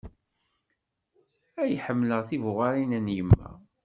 Ay ḥemmleɣ tibuɣarin n yemma.